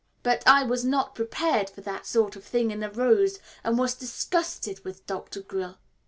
But I was not Prepared for that sort of thing in a rose, and was disgusted with Dr. Grill.